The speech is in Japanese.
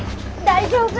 大丈夫。